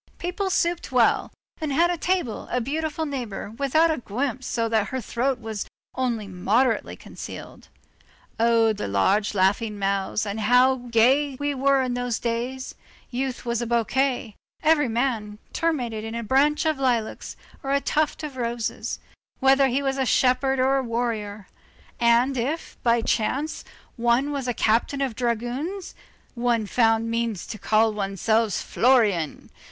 People supped well, and had at table a beautiful neighbor without a guimpe so that her throat was only moderately concealed. Oh! the large laughing mouths, and how gay we were in those days! youth was a bouquet; every young man terminated in a branch of lilacs or a tuft of roses; whether he was a shepherd or a warrior; and if, by chance, one was a captain of dragoons, one found means to call oneself Florian.